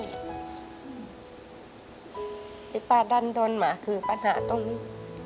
ที่ป้าดันโดนมาคือปัญหาตรงนี้